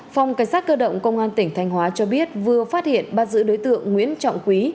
phòng cảnh sát cơ động công an tỉnh thanh hóa cho biết vừa phát hiện bắt giữ đối tượng nguyễn trọng quý